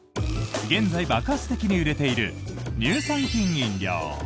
現在、爆発的に売れている乳酸菌飲料。